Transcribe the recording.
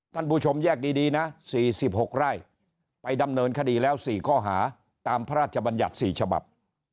ท่านผู้ชมแยกดีนะ๔๖ไร่ไปดำเนินคดีแล้ว๔ข้อหาตามพระราชบัญญัติ๔ฉบับ